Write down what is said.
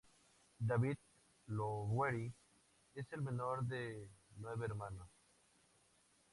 David Lowery es el menor de nueve hermanos.